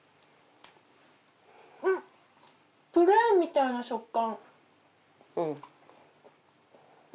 プルーンみたいな食感。